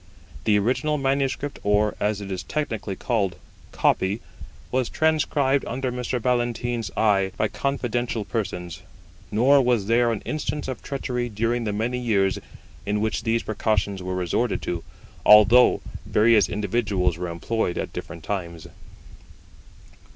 The original manuscript, or, as it is technically called, copy, was transcribed under Mr. Ballantyne's eye by confidential persons; nor was there an instance of treachery during the many years in which these precautions were resorted to, although various individuals were employed at different times.